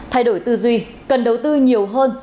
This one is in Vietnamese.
thay đổi tư duy cần đầu tư nhiều hơn